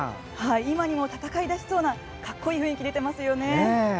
今にも戦いだしそうな格好いい雰囲気が出ていますね。